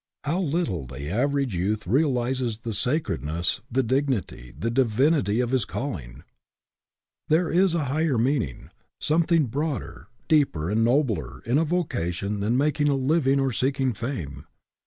How little the average youth realizes the sacredness, the dignity, the divinity of his calling ! There is a higher meaning, something broader, deeper, and nobler in a vocation than making a living or seeking fame.